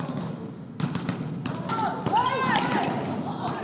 สุดท้ายสุดท้ายสุดท้าย